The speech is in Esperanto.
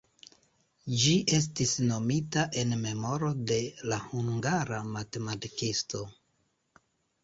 Ĝi estis nomita en memoro de la hungara matematikisto.